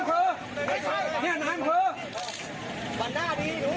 แขนลงมาแขนลงมา